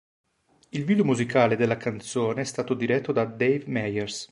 Il video musicale della canzone è stato diretto da Dave Meyers.